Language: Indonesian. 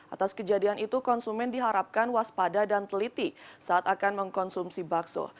atas kejadian itu konsumen diharapkan waspada dan teliti saat akan mengkonsumsi bakso